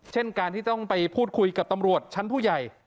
เช่นการที่ต้องไปพูดคุยกับตำรวจชั้นผู้ใหญ่